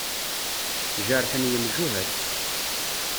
Jerḥen yemjuhad.